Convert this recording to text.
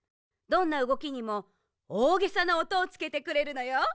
どんなうごきにもおおげさなおとをつけてくれるのよ。